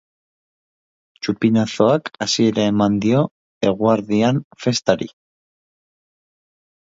Txupinazoak hasiera eman dio eguerdian festari.